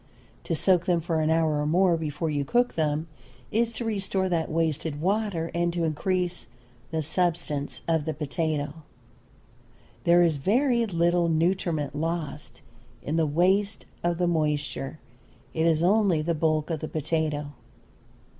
To soak them for an hour or more before you cook them is to restore that wasted water and to increase the substance of the potato. There is very little nutriment lost in the waste of the moisture; it is only the bulk of the potato.